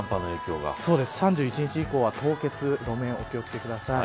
３１日以降は凍結路面、お気をつけください。